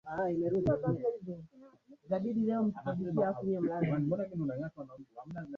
aliagizwa kusitishwa kwa huduma hizo katika matawi